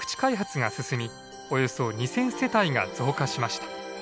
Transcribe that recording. およそ２，０００世帯が増加しました。